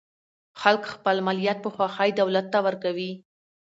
خلک خپل مالیات په خوښۍ دولت ته ورکوي.